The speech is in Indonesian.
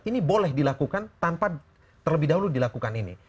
ini boleh dilakukan tanpa terlebih dahulu dilakukan ini